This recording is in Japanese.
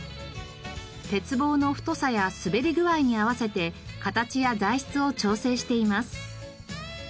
鉄棒の太さや滑り具合に合わせて形や材質を調整しています。